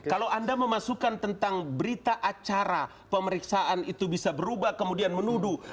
kalau anda memasukkan tentang berita acara pemeriksaan itu bisa berubah kemudian menuduh